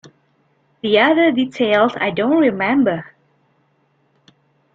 The other details I don't remember.